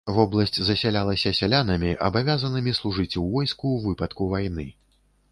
Вобласць засялялася сялянамі, абавязанымі служыць у войску ў выпадку вайны.